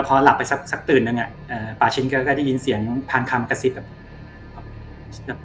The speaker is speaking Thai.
พอหลับไปสักตื่นนึงป่าชินยินเสียงพานคำกระสิบ